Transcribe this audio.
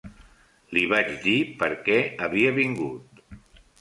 Li vaig dir per què havia vingut.